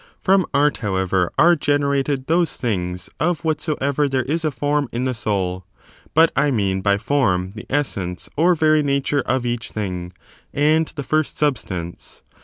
From Art, however, are generated those things of whatsoever there is a (form in the soul. But I mean by form the essence or very nature of each thing, and the first substance.